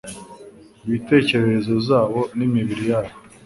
bwintekerezo zabo nimibiri yabo